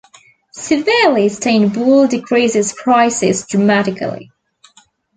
Severely stained wool decreases prices dramatically.